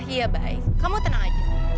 iya baik kamu tenang aja